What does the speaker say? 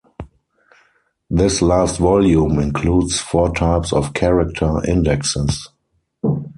This last volume includes four types of character indexes.